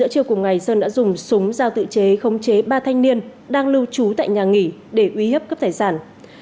hôm nay sơn đã dùng súng giao tự chế khống chế ba thanh niên đang lưu trú tại nhà nghỉ để uy hiếp cướp tài sản